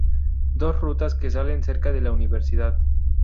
Dos rutas que sale cerca de la universidad.